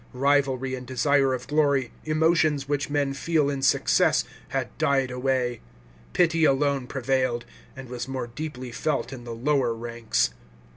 Rivalry and desire of glory, emotions which men feel in success, had died away ; pity alone prevailed, and was more deeply felt in the lower ranks."